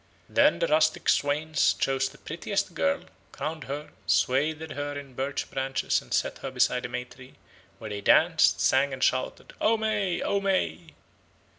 Then the rustic swains chose the prettiest girl, crowned her, swathed her in birch branches and set her beside the May tree, where they danced, sang, and shouted "O May! O May!"